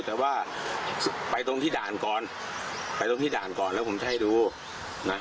แต่ว่าไปตรงที่ด่านก่อนไปตรงที่ด่านก่อนแล้วผมจะให้ดูนะ